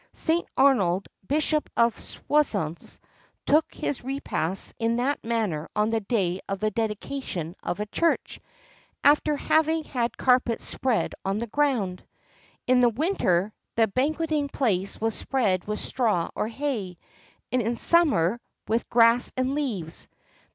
St. Arnold, Bishop of Soissons, took his repast in that manner on the day of the dedication of a church, after having had carpets spread on the ground.[XXXII 71] In winter the banqueting place was spread with straw or hay, and in summer with grass and leaves.